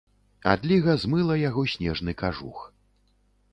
Адліга змыла яго снежны кажух.